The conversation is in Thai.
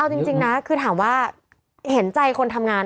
เอาจริงนะคือถามว่าเห็นใจคนทำงาน